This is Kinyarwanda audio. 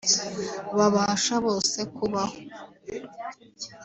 babasha bose kubaho